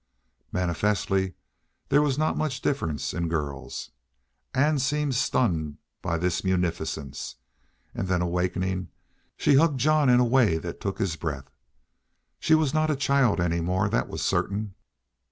Manifestly there was not much difference in girls. Ann seemed stunned by this munificence, and then awakening, she hugged Jean in a way that took his breath. She was not a child any more, that was certain.